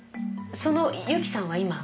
そのユキさんは今？